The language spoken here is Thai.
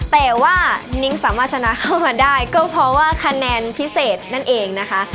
แต่ว่านิ้งสามารถชนะเข้ามาได้ก็เพราะว่าคะแนนพิเศษนั่นเองนะคะ